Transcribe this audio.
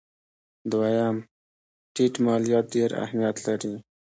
دویم: ټیټ مالیات ډېر اهمیت لري.